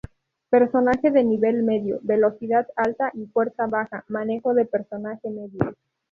Personaje de nivel medio, velocidad alta y fuerza baja, manejo de personaje medio.